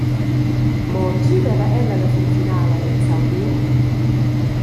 Mo tgi veva ella la finfinala exaudiu?